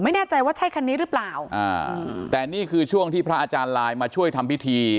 ไม่แน่ใจว่าใช่คันนี้หรือเปล่าอ่าแต่นี่คือช่วงที่พระอาจารย์ลายมาช่วยทำพิธี